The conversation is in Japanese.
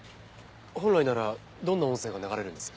本来ならどんな音声が流れるんです？